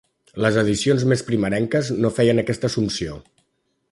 Les edicions més primerenques no feien aquesta assumpció.